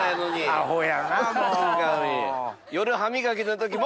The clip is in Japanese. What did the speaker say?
アホやなもう。